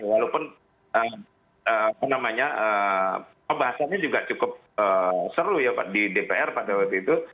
walaupun pembahasannya juga cukup seru ya pak di dpr pada waktu itu